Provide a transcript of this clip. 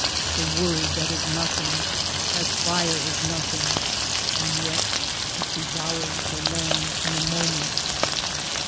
the word that is nothing — as fire is nothing and yet it devours the land in a moment.